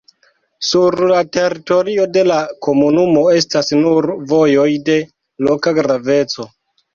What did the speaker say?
Sur la teritorio de la komunumo estas nur vojoj de loka graveco.